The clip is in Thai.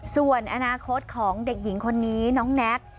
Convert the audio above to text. ส่วนอนาคตของเด็กหญิงคนนี้น้องแน็ก